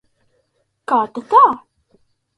Kā tad tā?